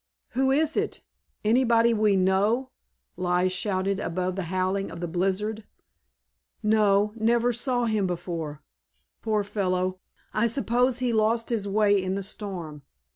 "Who is it? Anybody we know?" Lige shouted above the howling of the blizzard. "No, never saw him before. Poor fellow, I suppose he lost his way in the storm."